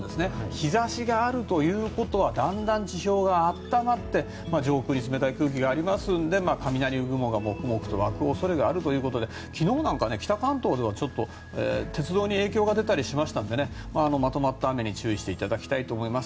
日差しがあるということはだんだん地表が温まって上空に冷たい空気がありますので雷雲がモクモクと湧く恐れがあるということで昨日なんかは北関東では鉄道に影響が出たりしましたのでまとまった雨に注意していただきたいと思います。